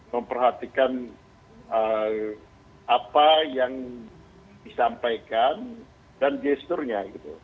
memperhatikan apa yang disampaikan dan gesturnya